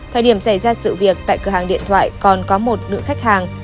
thời điểm xảy ra sự việc tại cửa hàng điện thoại còn có một nữ khách hàng